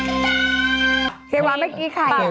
เสร็จแล้วว่าเมื่อกี้ทีค่ะเสร็จแล้วว่า